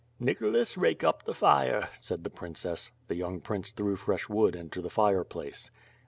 "Nicholas, rake up the fire," said the princess. The young prince threw fresh wood into the fire place.